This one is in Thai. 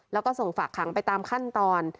แล้วก็ส่งฝากขังไปตามขั้นตอน